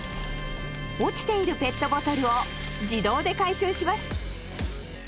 落ちているペットボトルを自動で回収します。